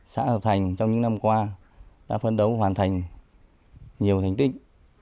xã hợp thành trong những năm qua đã phân đấu hoàn thành nhiều thành tích